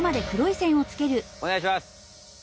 おねがいします！